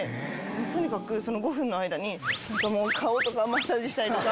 とにかくその５分の間に顔とかマッサージしたりとか。